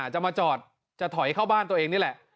จะมาจอดจะถอยเข้าบ้านตัวเองนี่แหละ